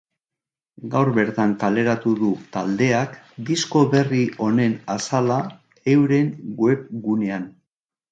Gaur bertan kaleratu du taldeak disko berri honen azala euren webgunean.